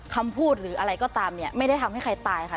คำพูดหรืออะไรก็ตามเนี่ยไม่ได้ทำให้ใครตายค่ะ